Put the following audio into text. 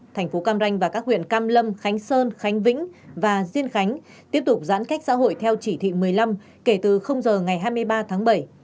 thành phố cam ranh và các huyện cam lâm khánh sơn khánh vĩnh và diên khánh tiếp tục giãn cách xã hội theo chỉ thị một mươi năm kể từ giờ ngày hai mươi ba tháng bảy